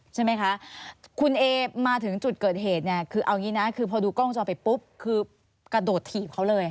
ใช่ไหมคะคุณเอมาถึงจุดเกิดเหตุเนี่ยคือเอางี้นะคือพอดูกล้องจอไปปุ๊บคือกระโดดถีบเขาเลย